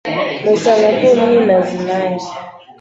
musanga ndi umwinazi nanjye